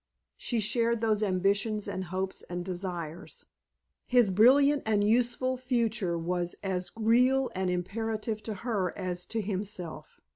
She shared those ambitions and hopes and desires. His brilliant and useful future was as real and imperative to her as to himself.